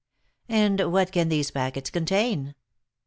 "And what can these packets contain?"